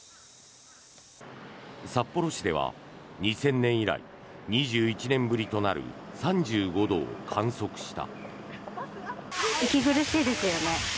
札幌市では２０００年以来２１年ぶりとなる３５度を観測した。